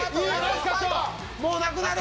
もうなくなる！